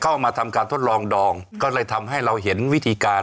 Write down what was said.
เข้ามาทำการทดลองดองก็เลยทำให้เราเห็นวิธีการ